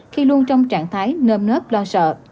khi luôn trong trạng thái nơm nớp lo sợ